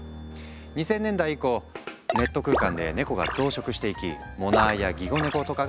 ２０００年代以降ネット空間でネコが増殖していき「モナー」や「ギコ猫」とかが誕生。